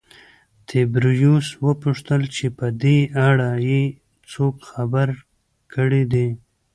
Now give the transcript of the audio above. تبریوس وپوښتل چې په دې اړه یې څوک خبر کړي دي